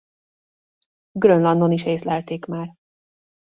Grönlandon is észlelték már.